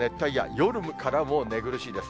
夜からもう、寝苦しいです。